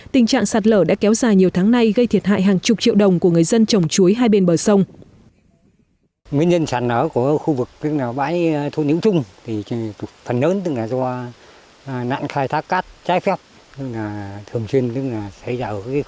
tình trạng sạt lở đã kéo dài nhiều tháng nay gây thiệt hại hàng chục triệu đồng của người dân trồng chuối hai bên bờ sông